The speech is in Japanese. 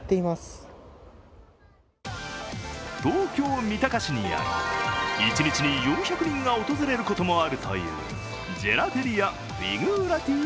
東京・三鷹市にある、一日に４００人が訪れることもあるというジェラテリアフィグーラティ